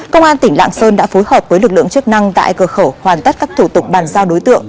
công an tỉnh lạng sơn đã phối hợp với lực lượng chức năng tại cửa khẩu hoàn tất các thủ tục bàn giao đối tượng